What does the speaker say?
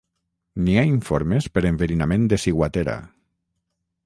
N'hi ha informes per enverinament de ciguatera.